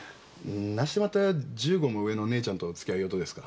なしてまた１５も上の姉ちゃんと付き合いよるとですか？